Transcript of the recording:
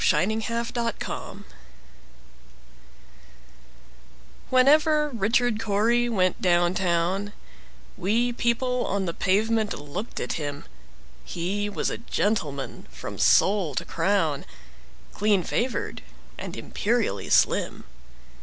Richard Cory WHENEVER Richard Cory went down town, We people on the pavement looked at him:He was a gentleman from sole to crown, Clean favored, and imperially slim.